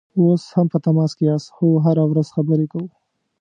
اوس هم په تماس کې یاست؟ هو، هره ورځ خبرې کوو